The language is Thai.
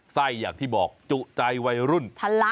ไส้อย่างที่บอกจุใจวัยรุ่น